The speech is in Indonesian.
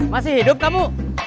masih hidup kamu